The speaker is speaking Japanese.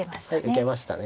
受けましたね。